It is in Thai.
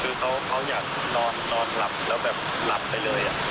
คือเขาอยากนอนหลับแล้วแบบหลับไปเลย